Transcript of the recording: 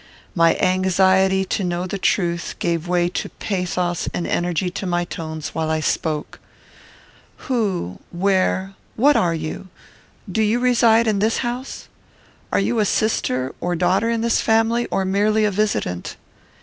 My anxiety to know the truth gave pathos and energy to my tones while I spoke: "Who, where, what are you? Do you reside in this house? Are you a sister or daughter in this family, or merely a visitant?